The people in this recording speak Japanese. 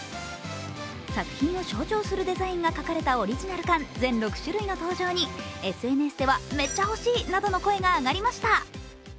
作品を象徴するデザインが描かれたオリジナル缶全６種類の登場にＳＮＳではめっちゃ欲しいなどの声が上がりました。